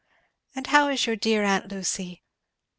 And how is your dear aunt Lucy?"